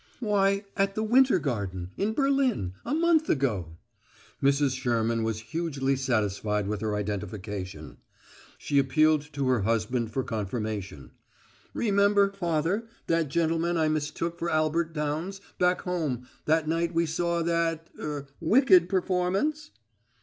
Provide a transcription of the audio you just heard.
"Why, at the Winter Garden, in Berlin a month ago!" Mrs. Sherman was hugely satisfied with her identification. She appealed to her husband for confirmation. "Remember, father, that gentleman I mistook for Albert Downs, back home, that night we saw that er wicked performance?"